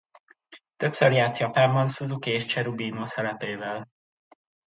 Többször járt Japánban Suzuki és Cherubino szerepével.